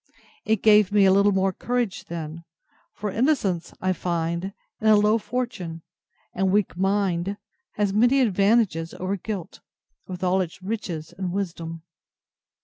—It gave me a little more courage then; for innocence, I find, in a low fortune, and weak mind, has many advantages over guilt, with all its riches and wisdom.